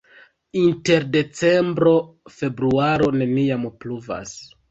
Inter decembro-februaro neniam pluvas.